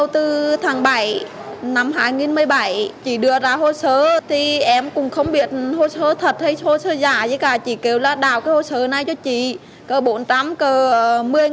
trong năm hai nghìn một mươi bảy chị đã mượn